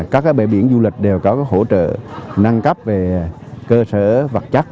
các bãi biển du lịch đều có hỗ trợ nâng cấp về cơ sở vật chất